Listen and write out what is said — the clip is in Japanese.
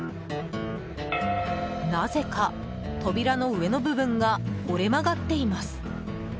なぜか、扉の上の部分が折れ曲がっています。